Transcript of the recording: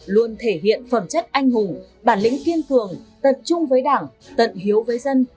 luôn thể hiện phẩm chất anh hùng bản lĩnh kiên cường tận trung với đảng tận hiếu với dân